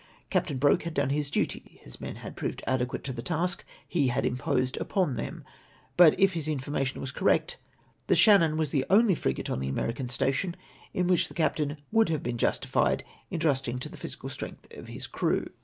Captain Broke had done his duty ; his men proved adequate to the task he had imposed upon them ; but, if his information Avas correct, the SJiannon was the only frigate on the American station in which the captain would have been justified in trusting to the physical strength of his crew.